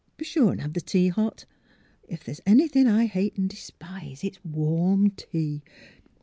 — Be sure an' have the tea hot. Ef there's anythin' I hate an' de spise it's ivarm tea.